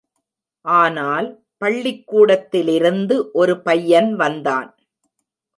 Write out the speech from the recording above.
ஆனால் பள்ளிக்கூடத்திலிருந்து ஒரு பையன் வந்தான்.